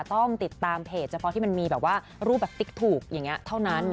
ต้องติดตามเพจเฉพาะที่มันมีรูปแบบติ๊กถูกเท่านั้น